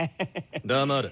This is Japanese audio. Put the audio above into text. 黙れ。